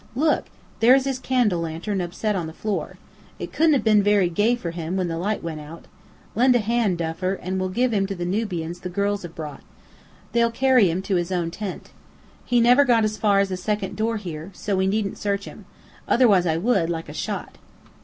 Look, there's his candle lantern upset on the floor. It couldn't have been very gay for him when the light went out. Lend a hand, Duffer, and we'll give him to the Nubians the girls have brought. They'll carry him to his own tent. He never got as far in as the second door here, so we needn't search him. Otherwise I would, like a shot."